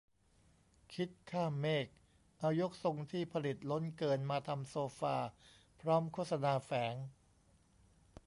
'คิดข้ามเมฆ' เอายกทรงที่ผลิตล้นเกินมาทำโซฟา พร้อมโฆษณาแฝง